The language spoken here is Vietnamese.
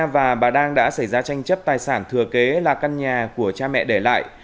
và bà đang đã xảy ra tranh chấp tài sản thừa kế là căn nhà của cha mẹ để lại